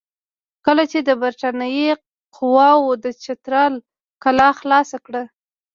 کله چې د برټانیې قواوو د چترال کلا خلاصه کړه.